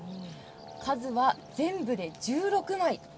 数は全部で１６枚。